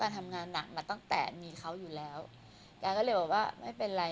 ได้อยู่แล้วอันนี้กังก็ต้องทำงานหนักต่อไปกังก็ไม่เป็นไร